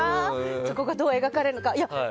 そこがどう描かれるか。